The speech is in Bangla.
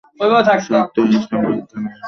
সাহিত্য ইতিহাস বিজ্ঞান ও আইনের উপর তার সমান দখল ছিল।